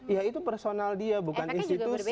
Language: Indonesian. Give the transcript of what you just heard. ya itu personal dia bukan institusi